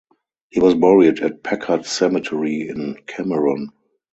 He was buried at Packard Cemetery in Cameron.